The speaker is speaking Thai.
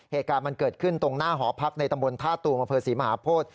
เหตุการณ์มันเกิดขึ้นตรงหน้าหอพักในตำบลท่าตูมอำเภอศรีมหาโพธิ